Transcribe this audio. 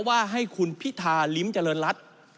ว่าให้คุณพิธาริมจรรย์รัฐ